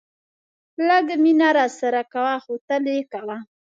لږ مینه راسره کوه خو تل یې کوه.